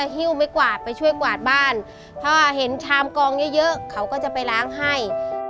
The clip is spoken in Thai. ทำกองเยอะเขาก็จะไปล้างให้